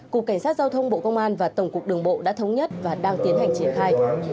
cục cảnh sát giao thông bộ công an và tổng cục đường bộ đã thống nhất và đang tiến hành triển khai